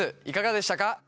いかがでしたか？